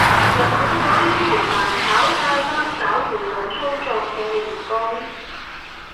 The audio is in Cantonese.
日本嗰邊前排炒晒班搞輿論操作嘅員工